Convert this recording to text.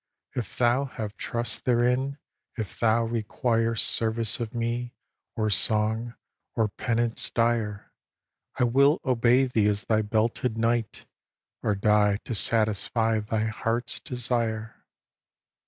If thou have trust therein, if thou require Service of me, or song, or penance dire, I will obey thee as thy belted knight, Or die to satisfy thy heart's desire.